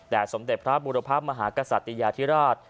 แต่สมเด็จพระบุรพภาพมหากศติยธิราช